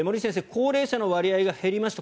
高齢者の割合が減りました。